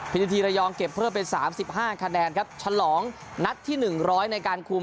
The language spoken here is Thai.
พิธีทีระยองเก็บเพิ่มเป็น๓๕คะแนนครับฉลองนัดที่๑๐๐ในการคุม